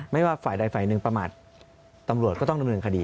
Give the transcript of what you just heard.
ไม่ว่าฝ่ายใดฝ่ายหนึ่งประมาทตำรวจก็ต้องดำเนินคดี